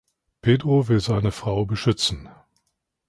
Pedro will seine Frau beschützen.